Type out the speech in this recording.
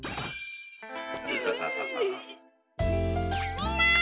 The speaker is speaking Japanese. みんな！